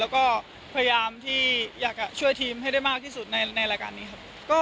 แล้วก็พยายามที่อยากจะช่วยทีมให้ได้มากที่สุดในรายการนี้ครับ